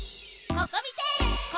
ココミテール！